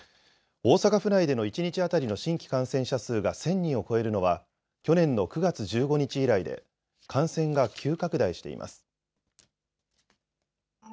大阪府内での一日当たりの新規感染者数が１０００人を超えるのは去年の９月１５日以来で感染が急拡大しています。